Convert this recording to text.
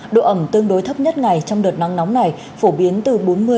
độ ẩm tương đối thấp nhất ngày trong đợt nắng nóng này phổ biến từ bốn mươi năm mươi năm